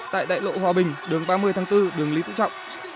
tại đại lộ hòa bình đường ba mươi tháng tư đường lý tử trọng